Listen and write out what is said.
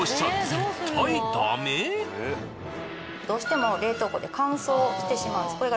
どうしても冷凍庫で乾燥してしまうんです。